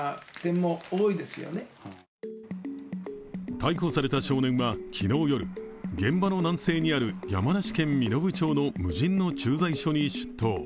逮捕された少年は昨日夜、現場の南西にある山梨県身延町の無人の駐在所に出頭。